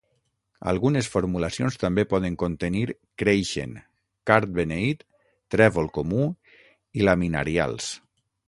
Algunes formulacions també poden contenir creixen, card beneit, trèvol comú i laminarials.